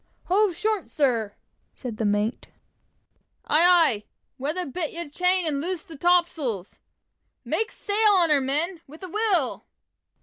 "Hove short, sir!" said the mate. "Aye, aye! Weather bit your chain and loose the topsails! Make sail on her, men with a will!"